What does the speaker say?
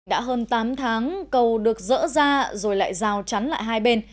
đã hơn tám tháng cầu được dỡ ra rồi lại rào chắn lại hai bên